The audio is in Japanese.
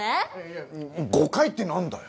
いや誤解ってなんだよ。